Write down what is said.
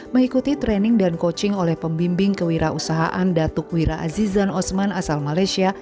mengikuti training dan coaching oleh pembimbing kewirausahaan datuk wira azizan osman asal malaysia